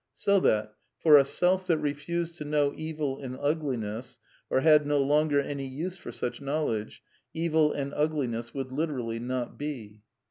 So that, for a Self that refused to know evil and ugliness, or had no longer any use for such knowledge, evil and ugliness would literally not be.